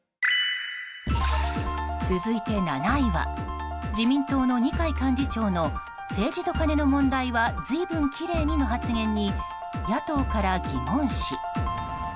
続いて７位は自民党の二階幹事長の政治とカネの問題は随分きれいにの発言に野党から疑問視。